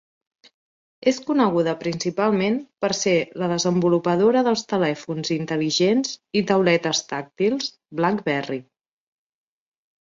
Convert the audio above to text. És coneguda principalment per ser la desenvolupadora dels telèfons intel·ligents i tauletes tàctils BlackBerry.